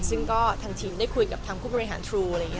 ซึ่งก็ทางทีมได้คุยกับทางคู่บริหารทรู